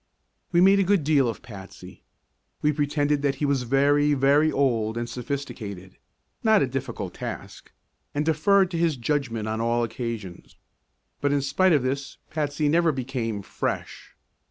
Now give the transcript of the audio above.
We made a good deal of Patsy. We pretended that he was very, very old and sophisticated not a difficult task and deferred to his judgment on all occasions. But in spite of this Patsy never became "fresh."